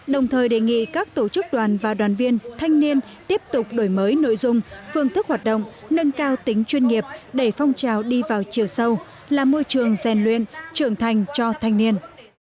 đồng thời đề nghị các tổ chức đoàn và đoàn viên thanh niên tiếp tục đổi mới nội dung phương thức hoạt động nâng cao tính chuyên nghiệp để phong trào đi vào chiều sâu làm môi trường rèn luyện trưởng thành cho thanh niên